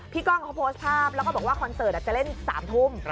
กล้องเขาโพสต์ภาพแล้วก็บอกว่าคอนเสิร์ตจะเล่น๓ทุ่ม